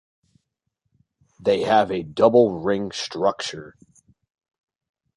They have a double ring structure.